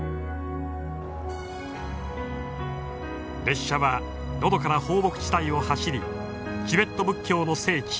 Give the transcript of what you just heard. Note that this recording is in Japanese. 列車はのどかな放牧地帯を走りチベット仏教の聖地